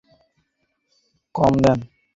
ইহার উপরে গহনাপত্র কম দেন নাই।